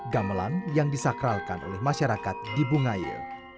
gamelan yang disakralkan oleh masyarakat di bungaya